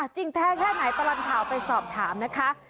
แท้แค่ไหนตลอดข่าวไปสอบถามนะคะ